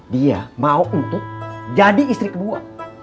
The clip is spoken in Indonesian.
dia mau untuk jadi istri kedua